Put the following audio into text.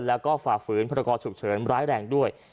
แล้วก็ฝ่าฝืนพรกรฉุกเฉินร้ายแรงด้วย